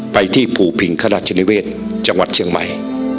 ไปที่ภูพิงขราชนิเวศจังหวัดเชียงใหม่